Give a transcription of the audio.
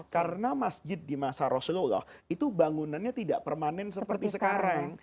karena masjid di masa rasulullah itu bangunannya tidak permanen seperti sekarang